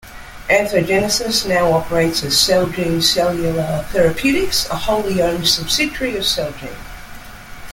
Anthrogenesis now operates as Celgene Cellular Therapeutics, a wholly owned subsidiary of Celgene.